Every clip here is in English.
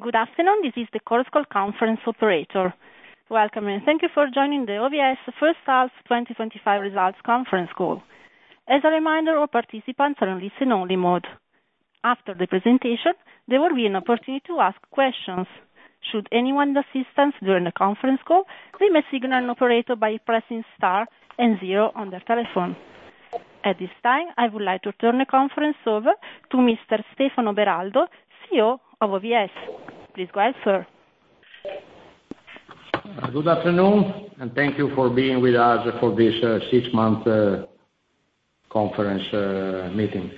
Good afternoon, this is the Chorus Call conference operator. Welcome and thank you for joining the OVS First Half 2025 Results Conference Call. As a reminder, all participants are in listen-only mode. After the presentation, there will be an opportunity to ask questions. Should anyone need assistance during the conference call, they may signal an operator by pressing star and zero on their telephone. At this time, I would like to turn the conference over to Mr. Stefano Beraldo, CEO of OVS. Please go ahead, sir. Good afternoon, and thank you for being with us for this six-month conference meeting.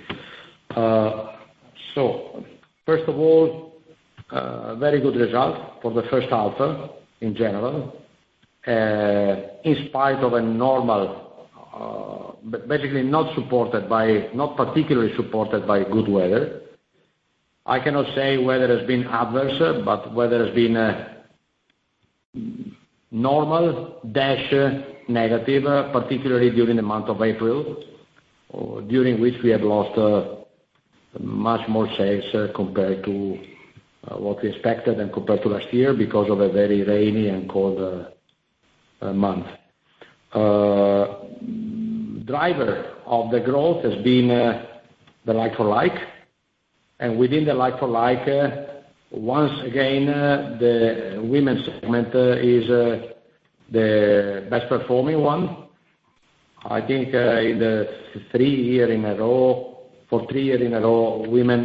first of all, very good result for the first half in general, in spite of a normal, basically not supported by, not particularly supported by good weather. I cannot say weather has been adverse, but weather has been normal, negative, particularly during the month of April, during which we have lost much more sales compared to what we expected and compared to last year because of a very rainy and cold month. Driver of the growth has been the like-for-like, and within the like-for-like, once again, the women's segment is the best-performing one. In the three years in a row, for three years in a row, women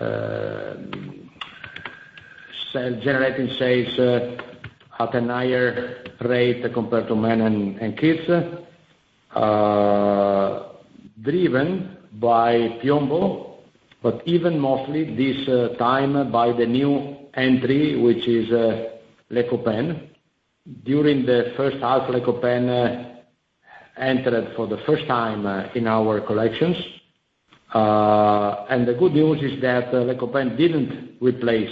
are generating sales at a higher rate compared to men and kids, driven by Piombo, but even mostly this time by the new entry, which is Les Copains. During the first half, Les Copains entered for the first time in our collections. The good news is that Les Copains didn't replace,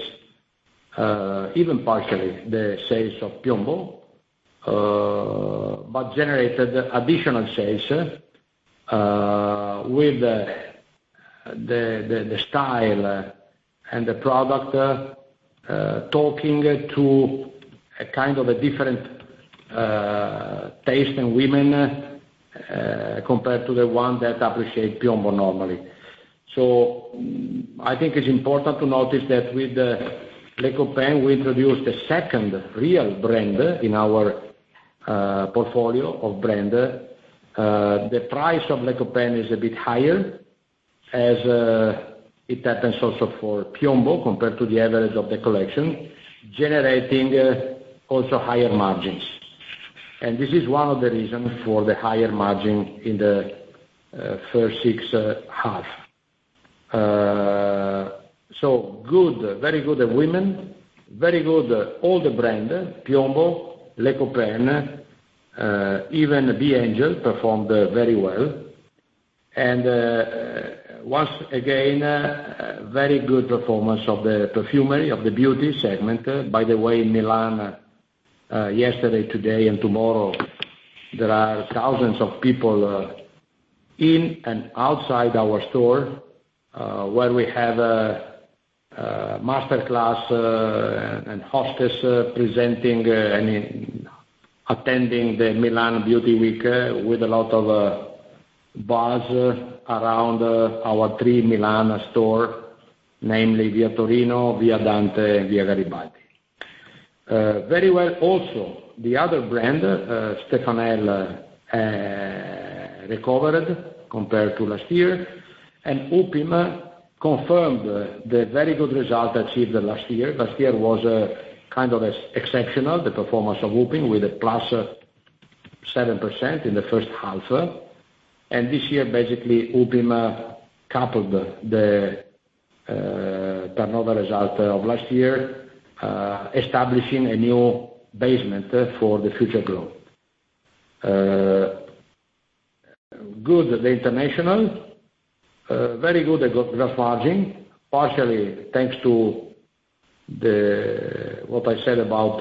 even partially, the sales of Piombo, but generated additional sales with the style and the product talking to a different taste in women compared to the one that appreciates Piombo normally. It's important to notice that with Les Copains, we introduced a second real brand in our portfolio of brands. The price of Les Copains is a bit higher, as it happens also for Piombo compared to the average of the collection, generating also higher margins. This is one of the reasons for the higher margin in the first half. So good, very good women's, very good all the brands: Piombo, Les Copains, even the Angel performed very well. Once again, very good performance of the perfumery, of the beauty segment. By the way, in Milan, yesterday, today, and tomorrow, there are thousands of people in and outside our store where we have a masterclass and hostess presenting and attending the Milan Beauty Week with a lot of buzz around our three Milan stores, namely Via Torino, Via Dante, and Via Garibaldi. Very well also, the other brand, Stefanel, recovered compared to last year, and UPIM confirmed the very good result achieved last year. Last year was exceptional, the performance of UPIM with a +7% in the first half. This year, basically, UPIM coupled the performance result of last year, establishing a new baseline for the future growth. Good, the international, very good gross margin, partially thanks to what I said about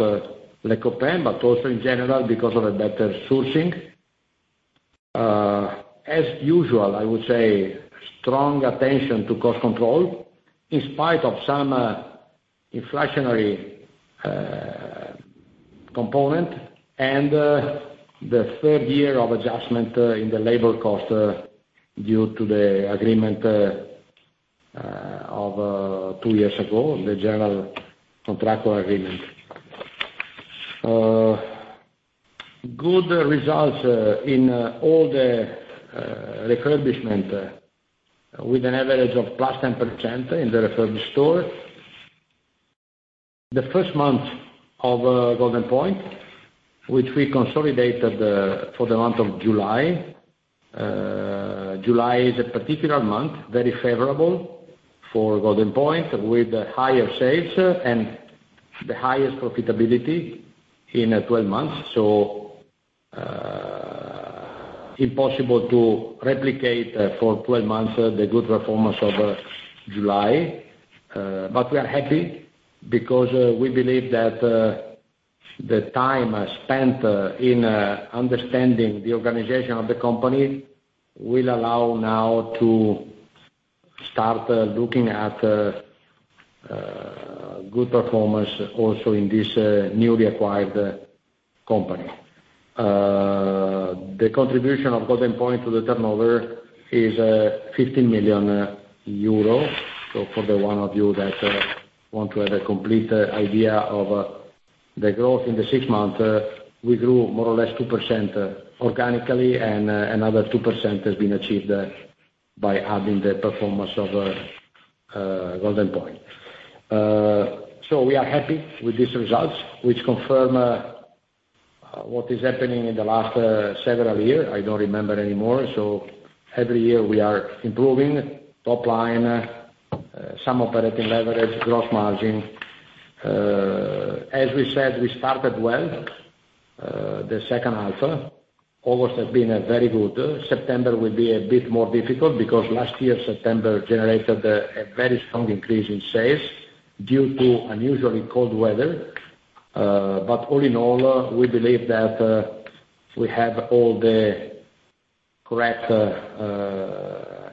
Les Copains, but also in general because of better sourcing. As usual, I would say strong attention to cost control in spite of some inflationary component and the third year of adjustment in the labor cost due to the agreement of two years ago, the general contractual agreement. Good results in all the refurbishment with an average of plus 10% in the refurbished store. The first month of GoldenPoint, which we consolidated for the month of July. July is a particular month, very favorable for GoldenPoint with higher sales and the highest profitability in 12 months, so impossible to replicate for 12 months the good performance of July, but we are happy because we believe that the time spent in understanding the organization of the company will allow now to start looking at good performance also in this newly acquired company. The contribution of Golden Point to the turnover is 15 million euros. So for the one of you that want to have a complete idea of the growth in the six months, we grew more or less 2% organically, and another 2% has been achieved by adding the performance of Goldenpoint. We are happy with these results, which confirm what is happening in the last several years. I don't remember anymore. Every year we are improving top line, some operating leverage, gross margin. As we said, we started well the second half. August has been very good. September will be a bit more difficult because last year, September generated a very strong increase in sales due to unusually cold weather. All in all, we believe that we have all the correct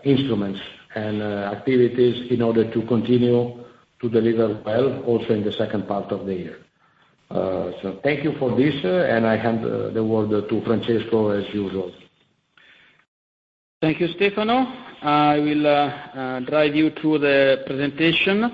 instruments and activities in order to continue to deliver well also in the second part of the year. So thank you for this, and I hand the word to Francesco as usual. Thank you, Stefano. I will drive you through the presentation,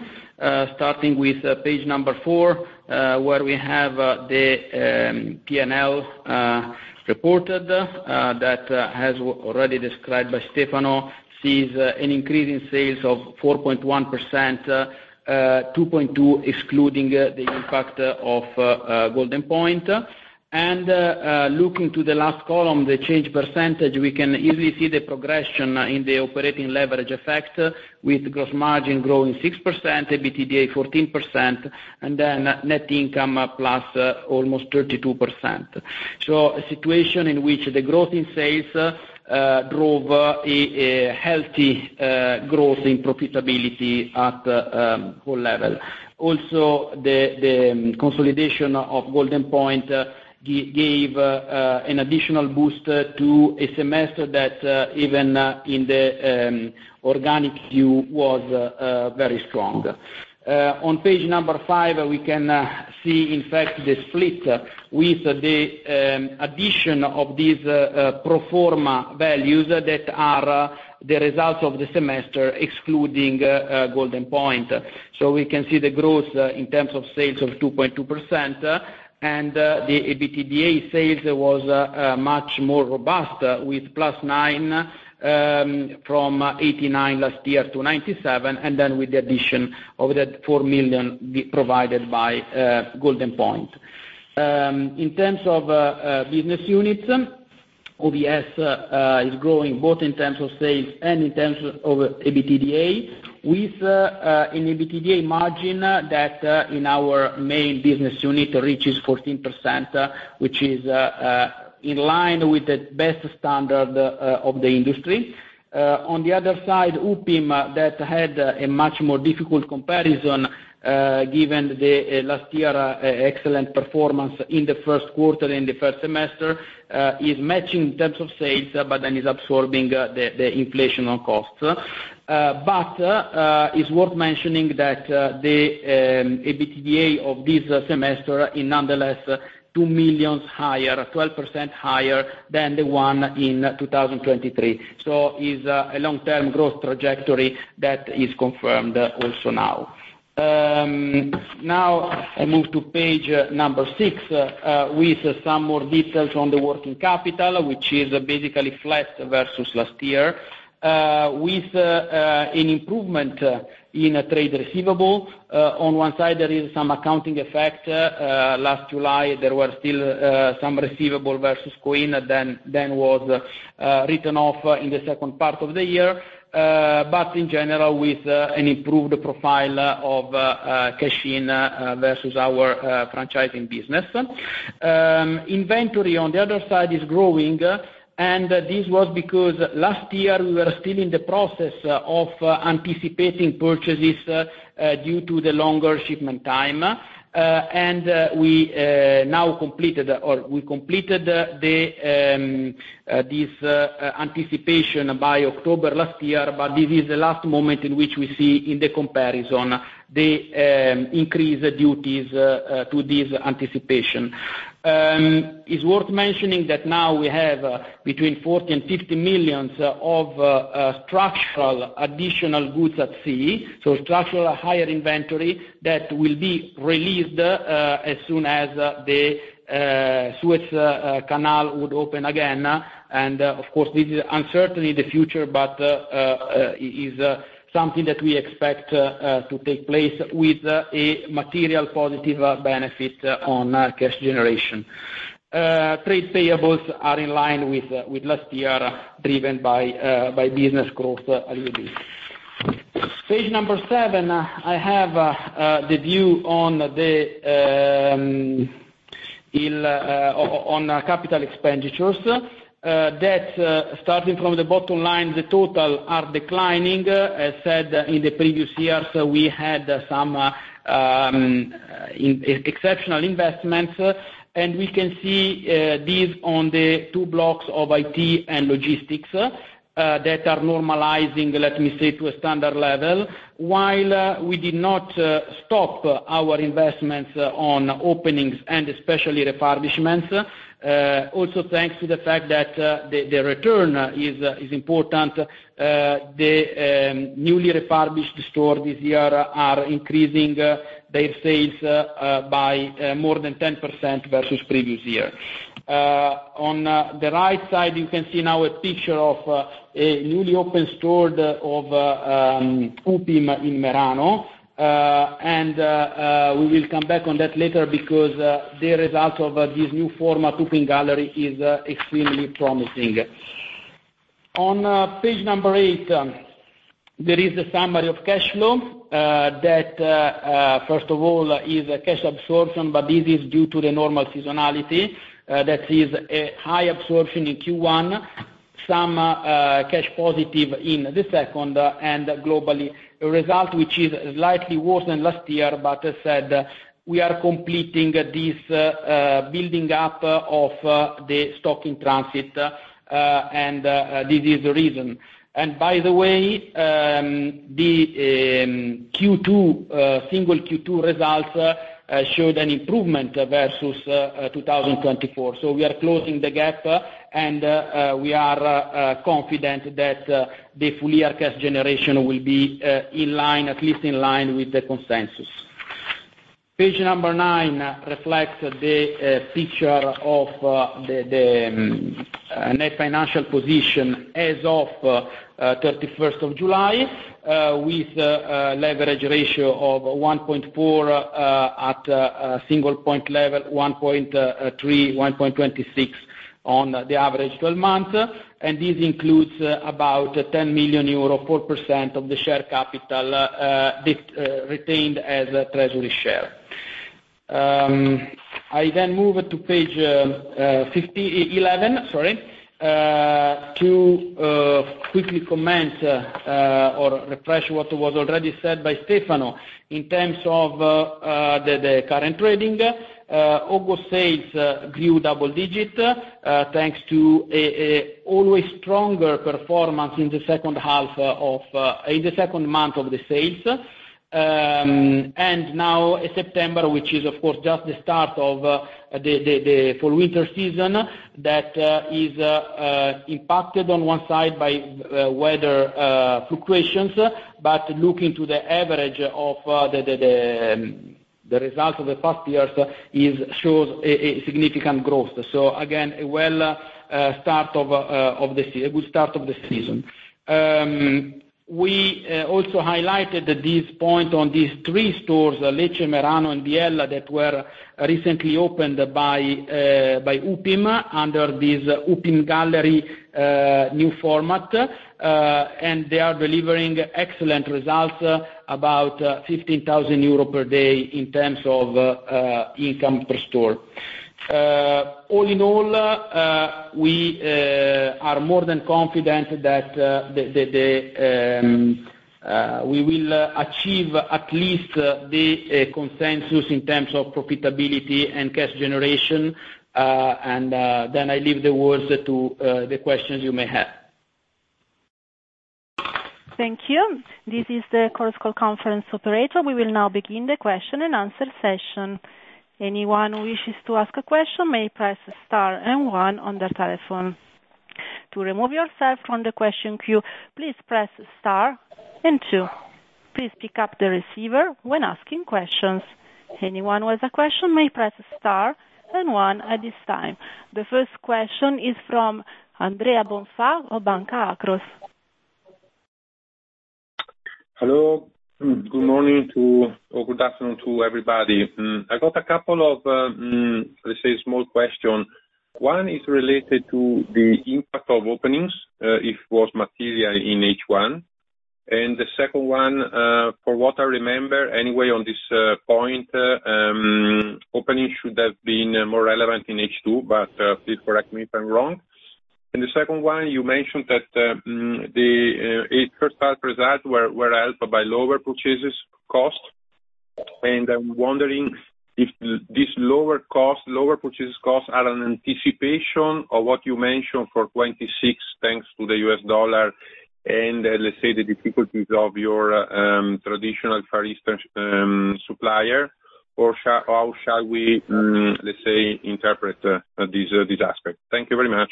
starting with page number four, where we have the P&L reported that has already been described by Stefano, sees an increase in sales of 4.1%, 2.2% excluding the impact of Goldenpoint. And looking to the last column, the change percentage, we can easily see the progression in the operating leverage effect with gross margin growing 6%, EBITDA 14%, and then net income plus almost 32%. A situation in which the growth in sales drove a healthy growth in profitability at all levels. Also, the consolidation of Goldenpoint gave an additional boost to a semester that even in the organic view was very strong. On page number five, we can see, in fact, the split with the addition of these proforma values that are the results of the semester excluding Goldenpoint. We can see the growth in terms of sales of 2.2%, and the EBITDA sales was much more robust with plus 9 from 89 last year to 97, and then with the addition of the 4 million provided by Goldenpoint. In terms of business units, OVS is growing both in terms of sales and in terms of EBITDA, with an EBITDA margin that in our main business unit reaches 14%, which is in line with the best standard of the industry. On the other side, UPIM that had a much more difficult comparison given the last year's excellent performance in the first quarter and the first semester is matching in terms of sales, but then is absorbing the inflation on costs. It's worth mentioning that the EBITDA of this semester is nonetheless 2 million higher, 12% higher than the one in 2023. It's a long-term growth trajectory that is confirmed also now. Now, I move to page number six with some more details on the working capital, which is basically flat versus last year, with an improvement in trade receivable. On one side, there is some accounting effect. Last July, there were still some receivable versus Coin that then was written off in the second part of the year. In general, with an improved profile of cash in versus our franchising business. Inventory on the other side is growing, and this was because last year we were still in the process of anticipating purchases due to the longer shipment time. We completed this anticipation by October last year, but this is the last moment in which we see in the comparison the increased inventory due to this anticipation. It's worth mentioning that now we have between 40 million and 50 million of structural additional goods at sea, so structural higher inventory that will be released as soon as the Suez Canal would open again, and of course, this is uncertain in the future, but it is something that we expect to take place with a material positive benefit on cash generation. Trade payables are in line with last year, driven by business growth a little bit. Page number seven, I have the view on capital expenditures that starting from the bottom line, the total are declining. As said in the previous years, we had some exceptional investments, and we can see these on the two blocks of IT and logistics that are normalizing, let me say, to a standard level, while we did not stop our investments on openings and especially refurbishments. Also, thanks to the fact that the return is important, the newly refurbished stores this year are increasing their sales by more than 10% versus previous year. On the right side, you can see now a picture of a newly opened store of UPIM in Merano, and we will come back on that later because the result of this new format UPIM Gallery is extremely promising. On page number eight, there is a summary of cash flow that, first of all, is cash absorption, but this is due to the normal seasonality. That is a high absorption in Q1, some cash positive in the second, and globally a result which is slightly worse than last year, but as said, we are completing this building up of the stock in transit, and this is the reason, and by the way, the single Q2 results showed an improvement versus 2024. We are closing the gap, and we are confident that the full year cash generation will be in line, at least in line with the consensus. Page number nine reflects the picture of the net financial position as of 31st of July with a leverage ratio of 1.4 at single point level, 1.3, 1.26 on the average 12 months. And this includes about 10 million euro, 4% of the share capital retained as a treasury share. I then move to page 11, sorry, to quickly comment or refresh what was already said by Stefano in terms of the current trading. August sales grew double digit thanks to an always stronger performance in the second half, in the second month of the sales. Now September, which is of course just the start of the full winter season, that is impacted on one side by weather fluctuations, but looking to the average of the results of the past years shows a significant growth. Again, a well start of the good start of the season. We also highlighted this point on these three stores, Lecce, Merano, and Biella, that were recently opened by UPIM under this UPIM Gallery new format, and they are delivering excellent results, about 15,000 euro per day in terms of income per store. All in all, we are more than confident that we will achieve at least the consensus in terms of profitability and cash generation. I leave the words to the questions you may have. Thank you. This is the Chorus Call conference operator. We will now begin the question and answer session. Anyone who wishes to ask a question may press star and one on their telephone. To remove yourself from the question queue, please press star and two. Please pick up the receiver when asking questions. Anyone who has a question may press star and one at this time. The first question is from Andrea Bonfa of Banca Akros. Hello. Good morning to or good afternoon to everybody. I got a couple of, let's say, small questions. One is related to the impact of openings if it was material in H1. And the second one, for what I remember anyway on this point, openings should have been more relevant in H2, but please correct me if I'm wrong. And the second one, you mentioned that the first half results were helped by lower purchase costs. I'm wondering if these lower costs, lower purchase costs are an anticipation of what you mentioned for 2026 thanks to the US dollar and, let's say, the difficulties of your traditional Far Eastern supplier, or how shall we, let's say, interpret this aspect? Thank you very much.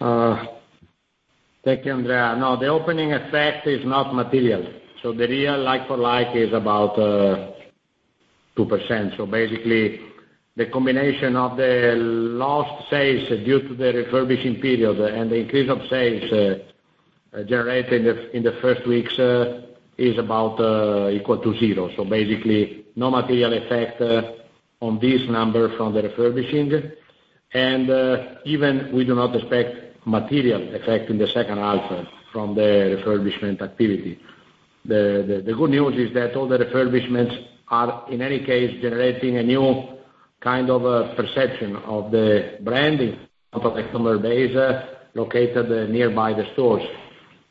Thank you, Andrea. No, the opening effect is not material. The real like-for-like is about 2%. Basically, the combination of the lost sales due to the refurbishing period and the increase of sales generated in the first weeks is about equal to zero. Basically, no material effect on this number from the refurbishing. Even we do not expect material effect in the second half from the refurbishment activity. The good news is that all the refurbishments are, in any case, generating a new perception of the branding of the customer base located nearby the stores.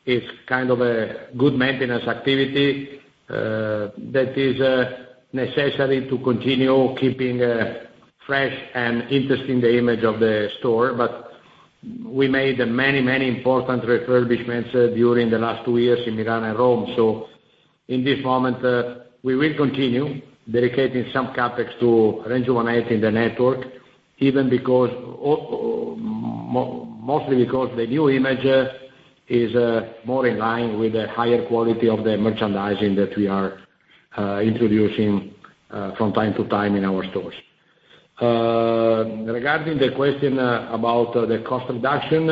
It's a good maintenance activity that is necessary to continue keeping fresh and interesting the image of the store. We made many, many important refurbishments during the last two years in Milan and Rome. In this moment, we will continue dedicating some CapEx to rejuvenating the network, even because mostly because the new image is more in line with the higher quality of the merchandising that we are introducing from time to time in our stores. Regarding the question about the cost reduction,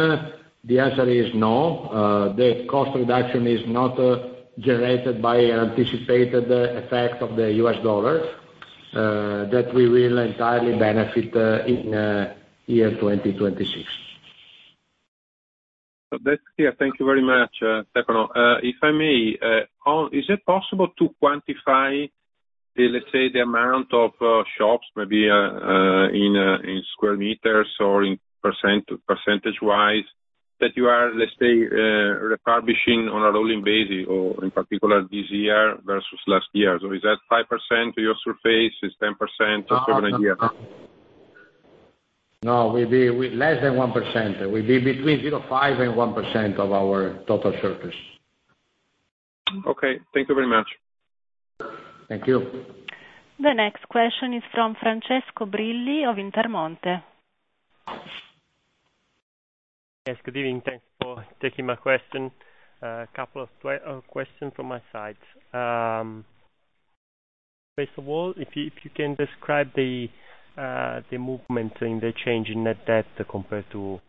the answer is no. The cost reduction is not generated by an anticipated effect of the U.S. dollar that we will entirely benefit in year 2026. Yeah, thank you very much, Stefano. If I may, is it possible to quantify, let's say, the amount of shops maybe in square meters or in percentage-wise that you are, let's say, refurbishing on a rolling basis or in particular this year versus last year? Is that 5% of your surface, is 10% or 70 a year? No, we'll be less than 1%. We'll be between 0.5% and 1% of our total surface. Okay. Thank you very much. Thank you. The next question is from Francesco Brilli of Intermonte. Thanks for taking my question. A couple of questions from my side. First of all, if you can describe the movement in the change in net debt compared to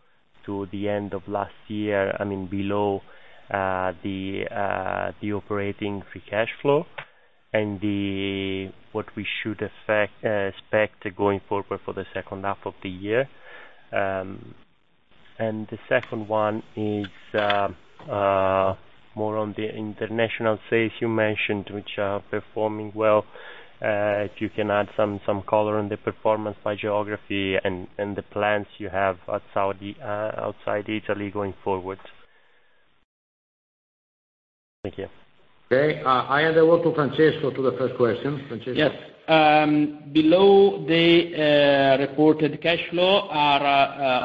the end of last year below the operating free cash flow and what we should expect going forward for the second half of the year? And the second one is more on the international sales you mentioned, which are performing well. If you can add some color on the performance by geography and the plans you have outside Italy going forward? Thank you. Okay. I hand over to Francesco to the first question. Francesco. Yes. Below the reported cash flow are,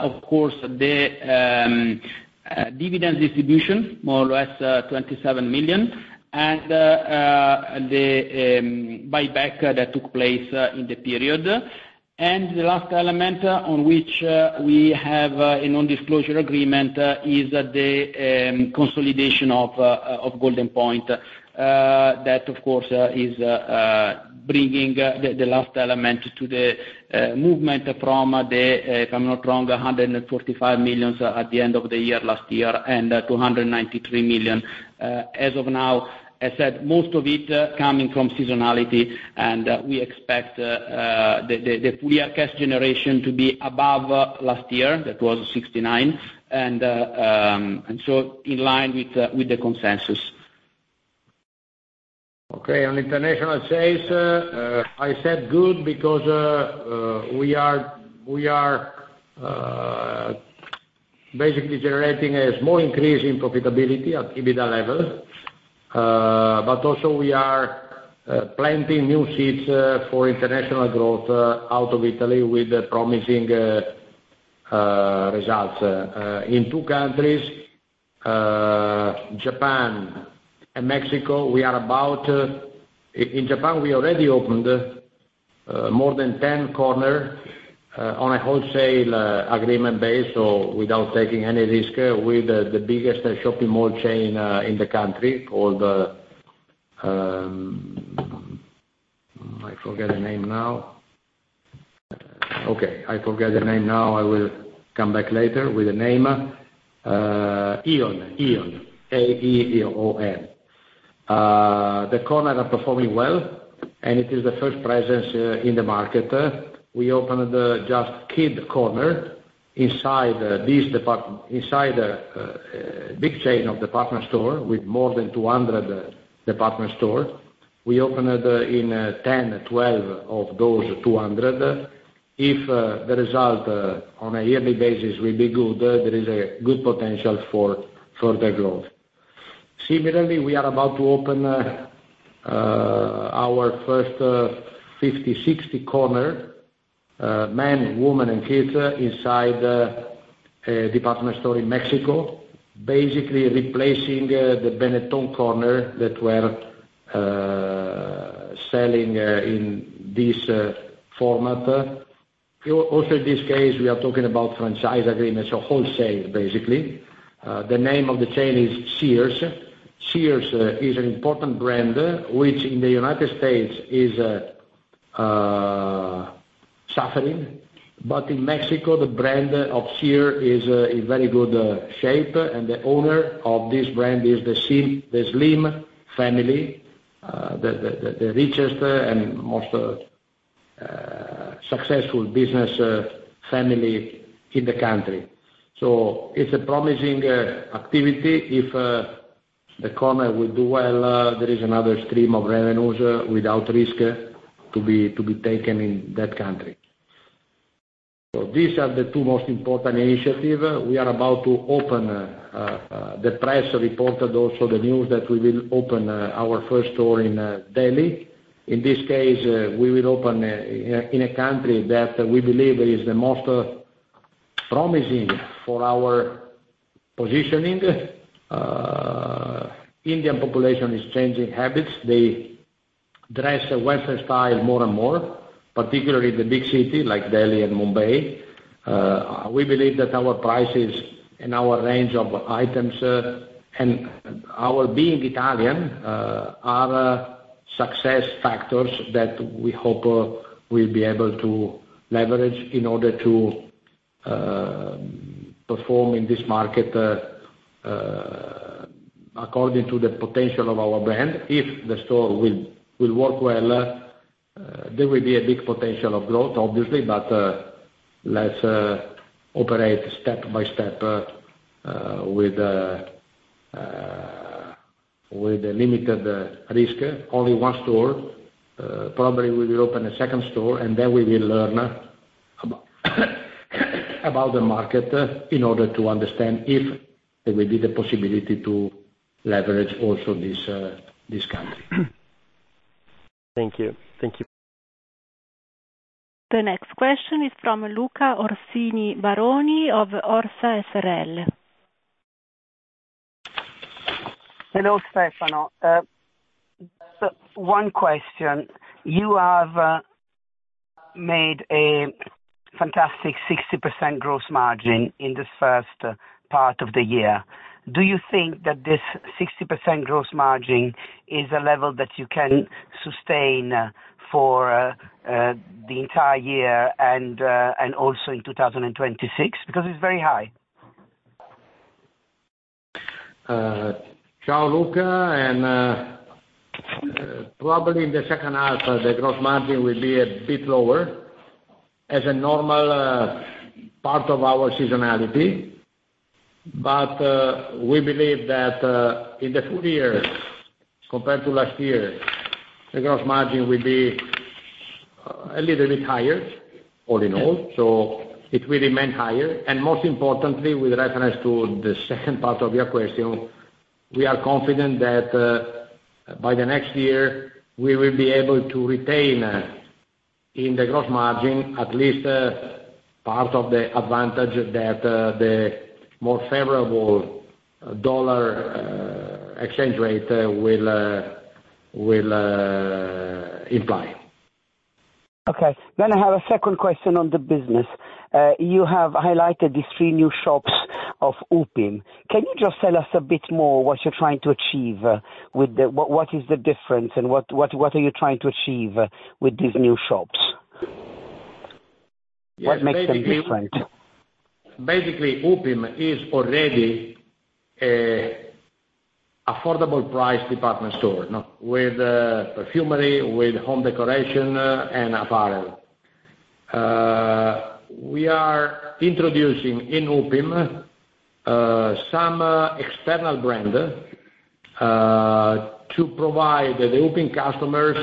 of course, the dividend distribution, more or less 27 million, and the buyback that took place in the period, and the last element on which we have a non-disclosure agreement is the consolidation of Goldenpoint that, of course, is bringing the last element to the movement from the, if I'm not wrong, 145 million at the end of the year last year and 293 million. As of now, as said, most of it coming from seasonality, and we expect the full year cash generation to be above last year. That was 69, and so in line with the consensus. Okay. On international sales, I said good because we are basically generating a small increase in profitability at EBITDA level. Also, we are planting new seeds for international growth out of Italy with promising results in two countries, Japan and Mexico. We are about in Japan, we already opened more than 10 corners on a wholesale agreement base, so without taking any risk with the biggest shopping mall chain in the country called, I forget the name now. Okay. I forget the name now. I will come back later with the name. Aeon. A-E-O-N. The corners are performing well, and it is the first presence in the market. We opened just Kid Corner inside this department, inside a big chain of department stores with more than 200 department stores. We opened in 10, 12 of those 200. If the result on a yearly basis will be good, there is a good potential for further growth. Similarly, we are about to open our first 50-60 corner, men, women, and kids inside a department store in Mexico, basically replacing the Benetton corner that were selling in this format. Also, in this case, we are talking about franchise agreements, so wholesale, basically. The name of the chain is Sears. Sears is an important brand which in the United States is suffering, but in Mexico, the brand of Sears is in very good shape, and the owner of this brand is the Slim family, the richest and most successful business family in the country. It's a promising activity. If the corner will do well, there is another stream of revenues without risk to be taken in that country. These are the two most important initiatives. We are about to open. The press reported also the news that we will open our first store in Delhi. In this case, we will open in a country that we believe is the most promising for our positioning. Indian population is changing habits. They dress in Western style more and more, particularly in the big cities like Delhi and Mumbai. We believe that our prices and our range of items and our being Italian are success factors that we hope we'll be able to leverage in order to perform in this market according to the potential of our brand. If the store will work well, there will be a big potential of growth, obviously, but let's operate step by step with limited risk. Only one store. Probably we will open a second store, and then we will learn about the market in order to understand if there will be the possibility to leverage also this country. Thank you. Thank you. The next question is from Luca Orsini Baroni of Orsa SRL Hello, Stefano. One question. You have made a fantastic 60% gross margin in this first part of the year. Do you think that this 60% gross margin is a level that you can sustain for the entire year and also in 2026? Because it's very high. Ciao, Luca. Probably in the second half, the gross margin will be a bit lower as a normal part of our seasonality. We believe that in the full year, compared to last year, the gross margin will be a little bit higher, all in all. It will remain higher. Most importantly, with reference to the second part of your question, we are confident that by the next year, we will be able to retain in the gross margin at least part of the advantage that the more favorable dollar exchange rate will imply. Okay. I have a second question on the business. You have highlighted these three new shops of UPIM. Can you just tell us a bit more what you're trying to achieve with these new shops? What is the difference, and what makes them different? Basically, UPIM is already an affordable-priced department store with perfumery, with home decoration, and apparel. We are introducing in UPIM some external brand to provide the UPIM customers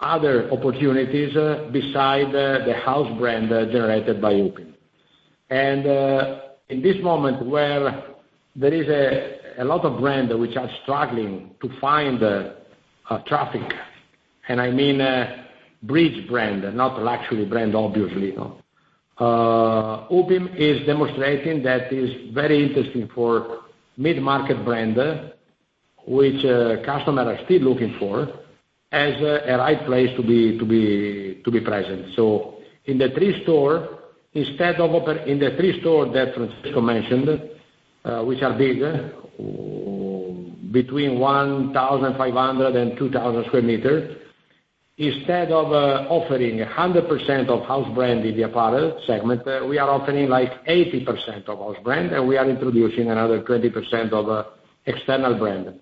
other opportunities besides the house brand generated by UPIM. And in this moment where there is a lot of brands which are struggling to find traffic, and bridge brand, not luxury brand, obviously, UPIM is demonstrating that it is very interesting for mid-market brands which customers are still looking for as a right place to be present. In the three stores, instead of in the three stores that Francesco mentioned, which are bigger, between 1,500 and 2,000 sq m, instead of offering 100% of house brand in the apparel segment, we are offering like 80% of house brand, and we are introducing another 20% of external brand.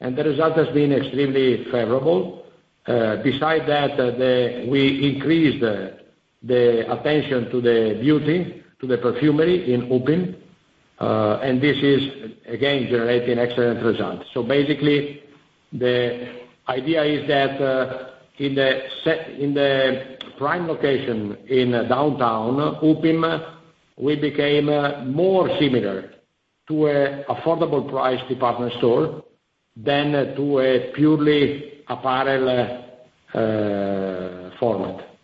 And the result has been extremely favorable. Besides that, we increased the attention to the beauty, to the perfumery in UPIM, and this is, again, generating excellent results. Basically, the idea is that in the prime location in downtown UPIM, we became more similar to an affordable-priced department store than to a purely apparel format.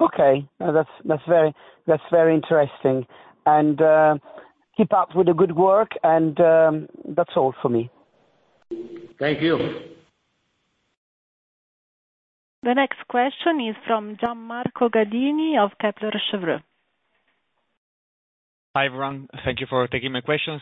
Okay. That's very interesting and keep up with the good work, and that's all for me. Thank you. The next question is from Gianmarco Bonacina of Kepler Cheuvreux. Hi, everyone. Thank you for taking my questions.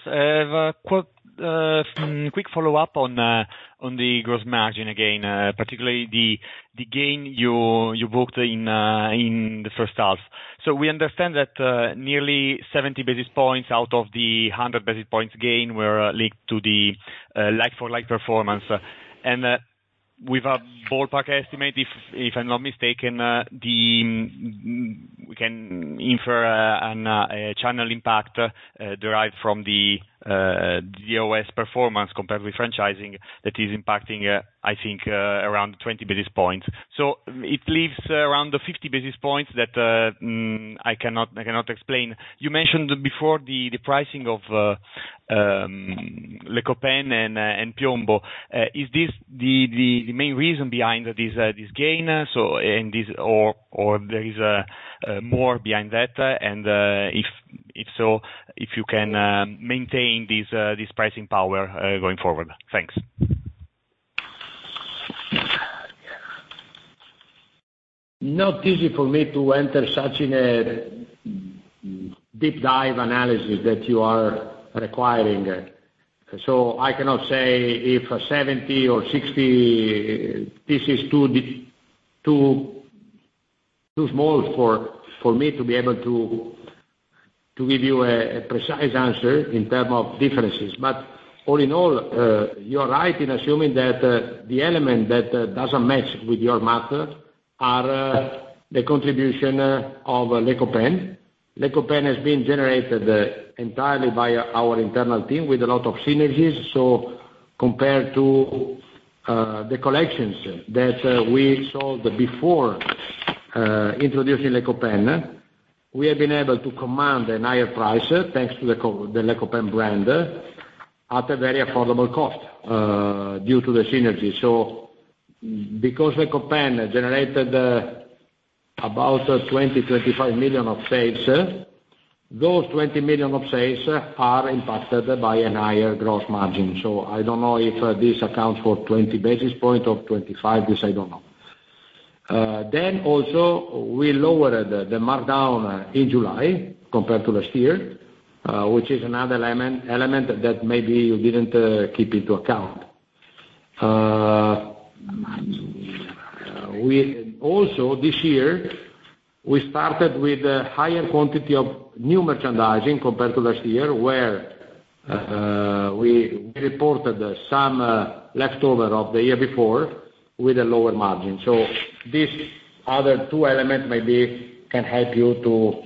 Quick follow-up on the gross margin again, particularly the gain you booked in the first half. We understand that nearly 70 basis points out of the 100 basis points gain were linked to the like-for-like performance. With a ballpark estimate, if I'm not mistaken, we can infer a channel impact derived from the DOS performance compared with franchising that is impacting around 20 basis points. It leaves around 50 basis points that I cannot explain. You mentioned before the pricing of Les Copains and Piombo. Is this the main reason behind this gain? Is there more behind that? If so, can you maintain this pricing power going forward? Thanks. Not easy for me to enter such a deep-dive analysis that you are requiring. I cannot say if 70 or 60, this is too small for me to be able to give you a precise answer in terms of differences. ll in all, you are right in assuming that the element that doesn't match with your math are the contribution of Les Copains. Les Copains has been generated entirely by our internal team with a lot of synergies. Compared to the collections that we sold before introducing Les Copains, we have been able to command a higher price thanks to the Les Copains brand at a very affordable cost due to the synergy. Les Copains generated about 20-25 million of sales, those 20 million of sales are impacted by a higher gross margin. I don't know if this accounts for 20 basis points or 25. This I don't know. Also, we lowered the markdown in July compared to last year, which is another element that maybe you didn't keep into account. Also, this year, we started with a higher quantity of new merchandising compared to last year, where we reported some leftover of the year before with a lower margin. These other two elements maybe can help you to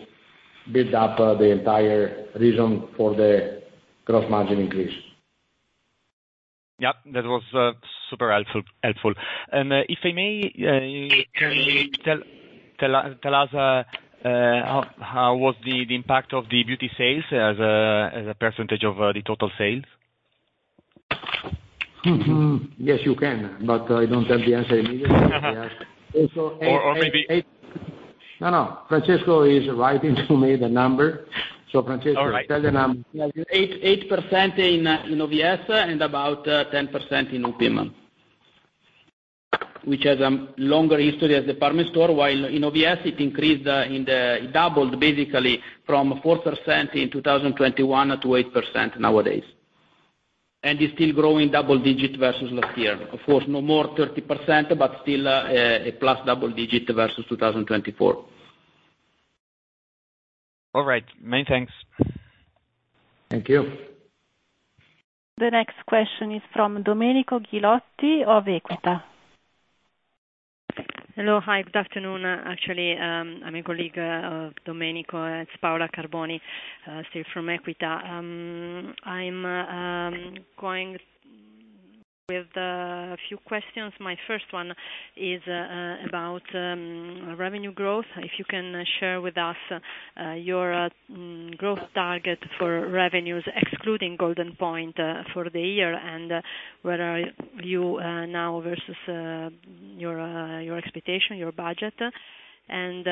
build up the entire reason for the gross margin increase. Yep. That was super helpful. And if I may. It can be. Tell us how was the impact of the beauty sales as a percentage of the total sales? Yes, you can, but I don't have the answer immediately. Or maybe. No, no. Francesco is writing to me the number. Francesco, tell the number. 8% in OVS and about 10% in UPIM, which has a longer history as a department store, while OVS, it increased. It doubled basically from 4% in 2021 to 8% nowadays, and it's still growing double-digit versus last year. Of course, no more 30%, but still a plus double-digit versus 2024. All right. Many thanks. Thank you. The next question is from Domenico Ghilotti of Equita. Hello. Hi. Good afternoon. Actually, I'm a colleague of Domenico. It's Paola Carboni, still from Equita. I'm going with a few questions. My first one is about revenue growth. If you can share with us your growth target for revenues, excluding Goldenpoint for the year, and where are you now versus your expectation, your budget? And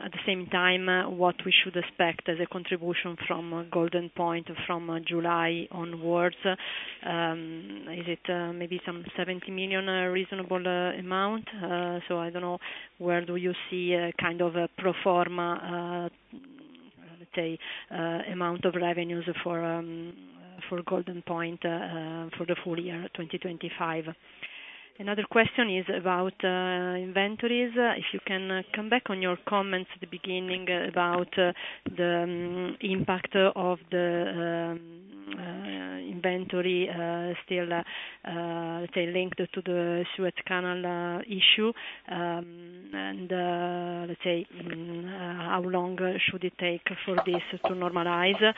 at the same time, what we should expect as a contribution from Goldenpoint from July onwards? Is it maybe some 70 million reasonable amount? So I don't know. Where do you see a pro forma, let's say, amount of revenues for Goldenpoint for the full year, 2025? Another question is about inventories. If you can come back on your comments at the beginning about the impact of the inventory still, let's say, linked to the Suez Canal issue, and let's say, how long should it take for this to normalize?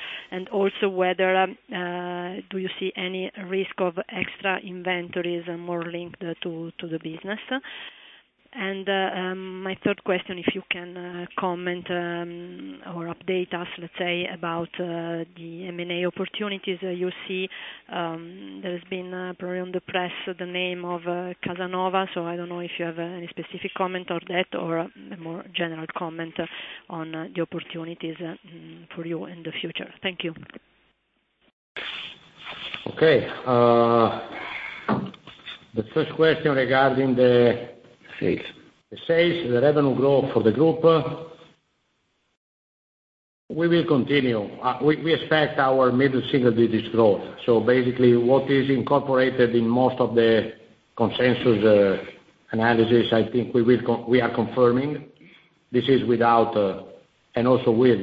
Also, whether do you see any risk of extra inventories more linked to the business? And my third question, if you can comment or update us, let's say, about the M&A opportunities you see. There has been probably in the press the name of Kasanova. I don't know if you have any specific comment on that or a more general comment on the opportunities for you in the future. Thank you. Okay. The first question regarding the sales. The sales, the revenue growth for the group, we will continue. We expect our middle single digit growth. Basically, what is incorporated in most of the consensus analysis we are confirming this is without and also with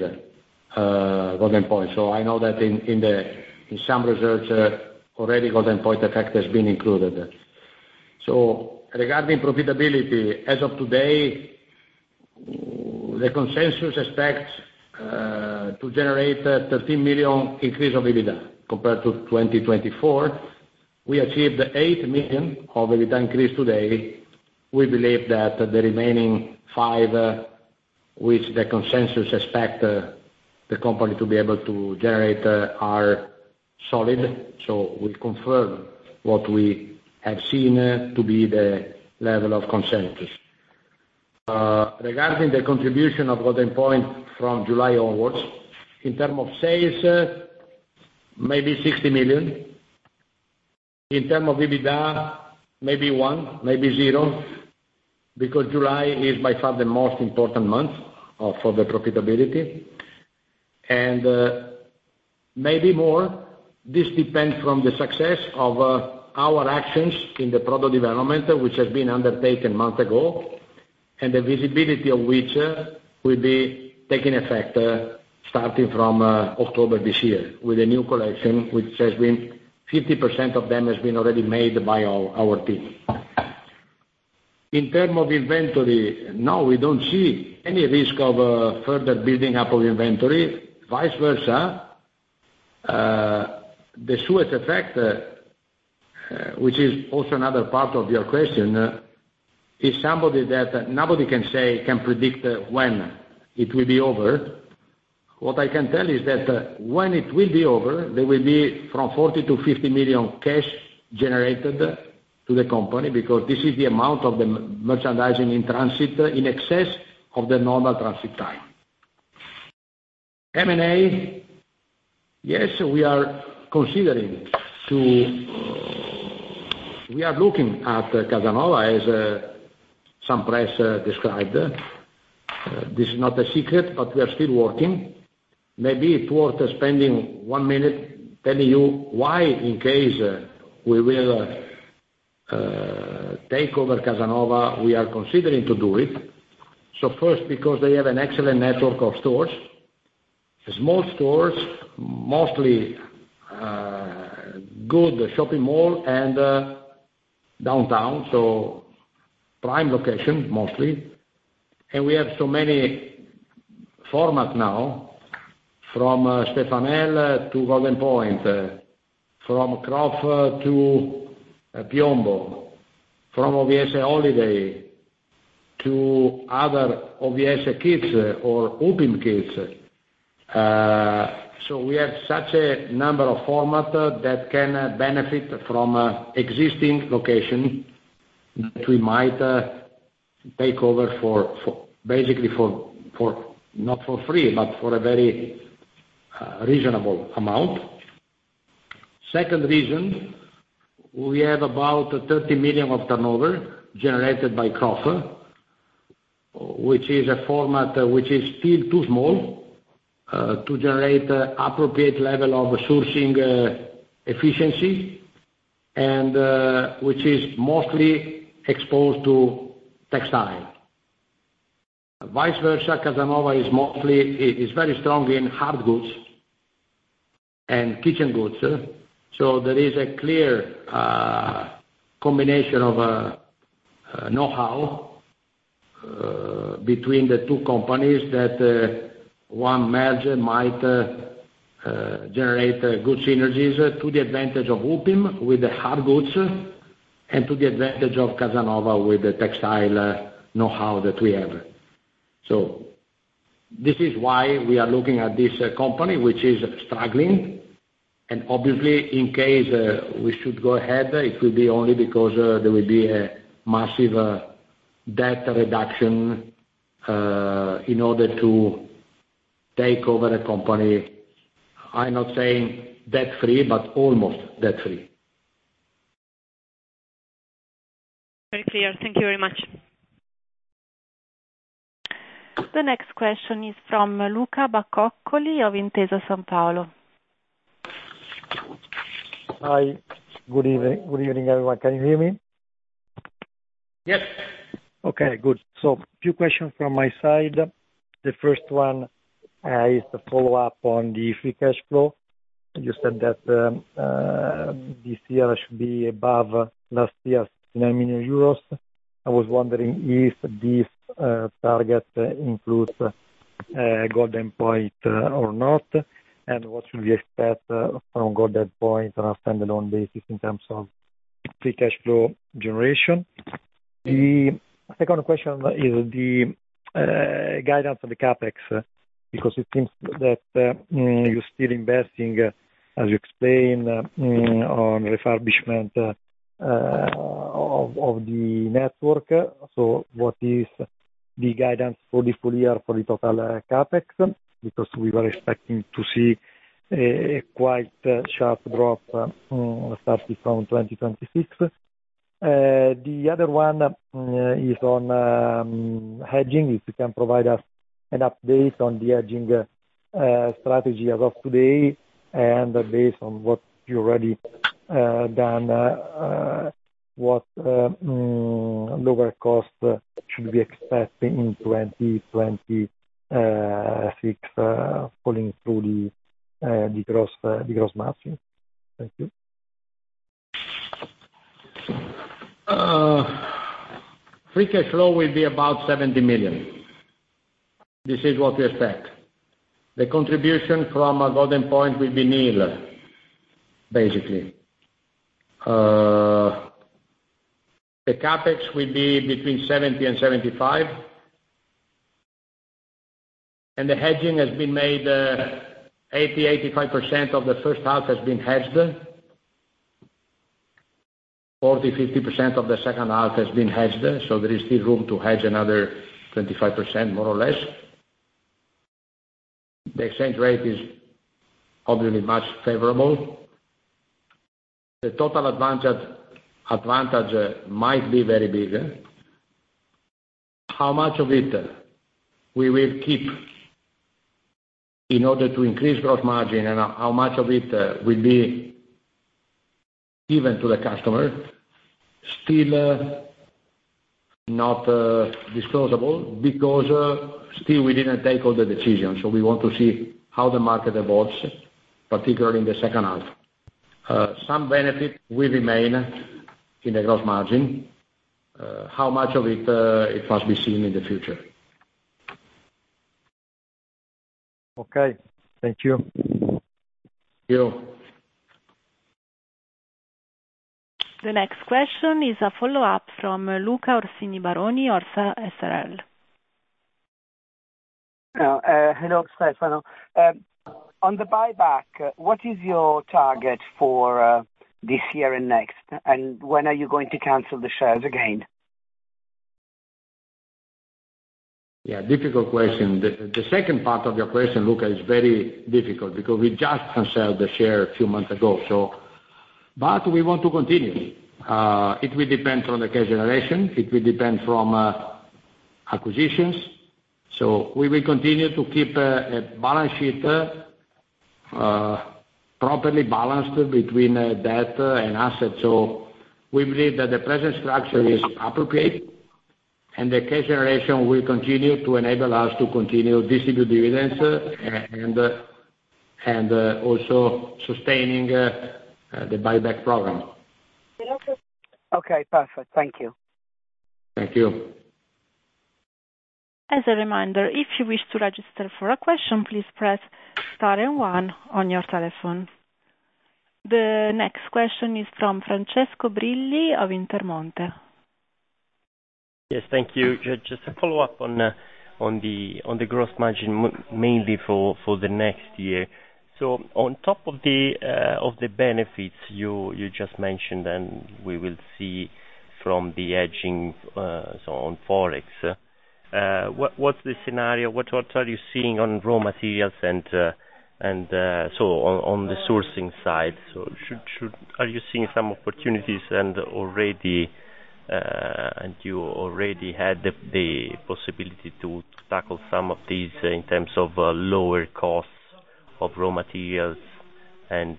Goldenpoint. In some research, already Goldenpoint effect has been included. Regarding profitability, as of today, the consensus expects to generate 13 million increase of EBITDA compared to 2024. We achieved 8 million of EBITDA increase today. We believe that the remaining 5, which the consensus expects the company to be able to generate, are solid. We confirm what we have seen to be the level of consensus. Regarding the contribution of Goldenpoint from July onwards, in terms of sales, maybe 60 million. In terms of EBITDA, maybe one, maybe zero, because July is by far the most important month for the profitability. And maybe more. This depends from the success of our actions in the product development, which has been undertaken months ago, and the visibility of which will be taking effect starting from October this year with a new collection, which has been 50% of them has been already made by our team. In terms of inventory, no, we don't see any risk of further building up of inventory. Vice versa. The Suez effect, which is also another part of your question, is somebody that nobody can say can predict when it will be over. What I can tell is that when it will be over, there will be 40-50 million cash generated to the company because this is the amount of the merchandising in transit in excess of the normal transit time. M&A, yes, we are considering. We are looking at Kasanova, as some press described. This is not a secret, but we are still working. Maybe it's worth spending one minute telling you why, in case we will take over Kasanova. We are considering to do it. First, because they have an excellent network of stores, small stores, mostly good shopping mall and downtown, so prime location mostly. We have so many formats now from Stefanel to Goldenpoint, from Croff to Piombo, from OVS Holiday to other OVS Kids or UPIM Kids. We have such a number of formats that can benefit from existing location that we might take over for basically not for free, but for a very reasonable amount. Second reason, we have about 30 million of turnover generated by Croff, which is a format which is still too small to generate an appropriate level of sourcing efficiency, and which is mostly exposed to textile. Vice versa, Kasanova is very strong in hard goods and kitchen goods. There is a clear combination of know-how between the two companies that one merger might generate good synergies to the advantage of UPIM with the hard goods and to the advantage of Kasanova with the textile know-how that we have. This is why we are looking at this company, which is struggling. Obviously, in case we should go ahead, it will be only because there will be a massive debt reduction in order to take over a company. I'm not saying debt-free, but almost debt-free. Very clear. Thank you very much. The next question is from Luca Bacoccoli of Intesa Sanpaolo. Hi. Good evening. Good evening, everyone. Can you hear me? Yes. Okay. Good. A few questions from my side. The first one is a follow-up on the free cash flow. You said that this year should be above last year's 9 million euros. I was wondering if this target includes Goldenpoint or not, and what should we expect from Goldenpoint on a standalone basis in terms of free cash flow generation? The second question is the guidance of the CapEx because it seems that you're still investing, as you explained, on refurbishment of the network. What is the guidance for the full year for the total CapEx? Because we were expecting to see a quite sharp drop starting from 2026. The other one is on hedging. If you can provide us an update on the hedging strategy as of today and based on what you've already done, what lower cost should we expect in 2026 following through the gross margin? Thank you. Free cash flow will be about 70 million. This is what we expect. The contribution from Goldenpoint will be nil, basically. The CapEx will be between 70 million and 75 million, and the hedging has been made 80%-85% of the first half has been hedged. 40%-50% of the second half has been hedged, so there is still room to hedge another 25%, more or less. The exchange rate is obviously much favorable. The total advantage might be very big. How much of it we will keep in order to increase gross margin and how much of it will be given to the customer, still not disclosable because still we didn't take all the decisions, so we want to see how the market evolves, particularly in the second half. Some benefit will remain in the gross margin. How much of it, it must be seen in the future. Okay. Thank you. Thank you. The next question is a follow-up from Luca Orsini Baroni of Orsa SRL Hello, Stefano. On the buyback, what is your target for this year and next? And when are you going to cancel the shares again? Yeah. Difficult question. The second part of your question, Luca, is very difficult because we just canceled the share a few months ago. We want to continue. It will depend from the cash generation. It will depend from acquisitions. We will continue to keep a balance sheet properly balanced between debt and assets. We believe that the present structure is appropriate, and the cash generation will continue to enable us to continue distributing dividends and also sustaining the buyback program. Okay. Perfect. Thank you. Thank you. As a reminder, if you wish to register for a question, please press star and 1 on your telephone. The next question is from Francesco Brilli of Intermonte. Yes. Thank you. Just a follow-up on the gross margin, mainly for the next year. On top of the benefits you just mentioned, and we will see from the hedging on Forex, what's the scenario? What are you seeing on raw materials and so on the sourcing side? So are you seeing some opportunities and you already had the possibility to tackle some of these in terms of lower costs of raw materials? And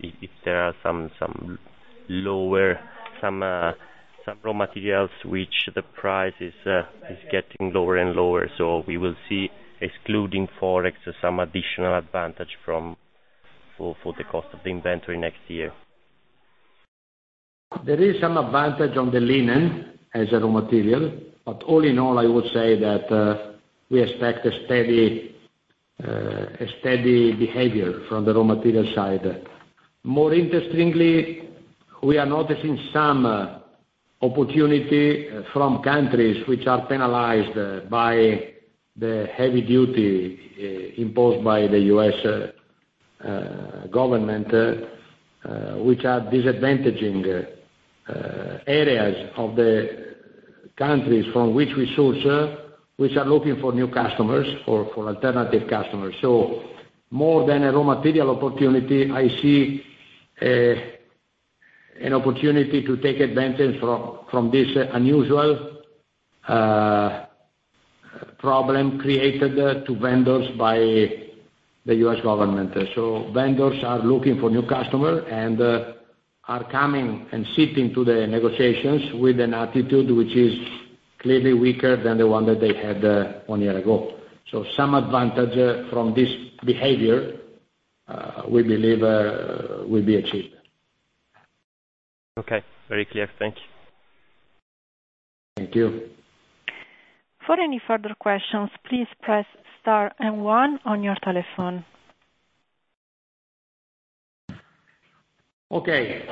if there are some lower raw materials which the price is getting lower and lower, so we will see, excluding Forex, some additional advantage for the cost of the inventory next year? There is some advantage on the linen as a raw material, but all in all, I would say that we expect a steady behavior from the raw material side. More interestingly, we are noticing some opportunity from countries which are penalized by the heavy duty imposed by the U.S. government, which are disadvantaging areas of the countries from which we source, which are looking for new customers or for alternative customers. More than a raw material opportunity, I see an opportunity to take advantage from this unusual problem created to vendors by the U.S. government. Vendors are looking for new customers and are coming and sitting to the negotiations with an attitude which is clearly weaker than the one that they had one year ago. Some advantage from this behavior, we believe, will be achieved. Okay. Very clear. Thank you. Thank you. For any further questions, please press star and 1 on your telephone. Okay.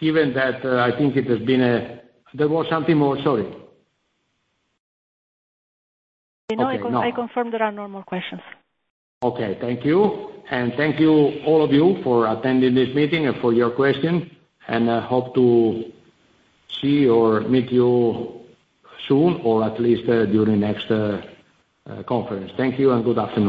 Given that it has been. There was something more. Sorry. No, I confirm there are no more questions. Okay. Thank you. Thank you, all of you, for attending this meeting and for your questions. I hope to see or meet you soon or at least during the next conference. Thank you and good afternoon.